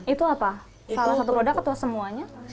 itu apa salah satu produk atau semuanya